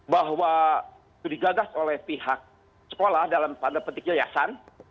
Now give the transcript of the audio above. bahwa itu digagas oleh pihak sekolah dalam tanda petik yayasan